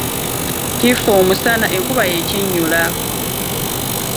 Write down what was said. Kifa omusana nkuba yekinnyula .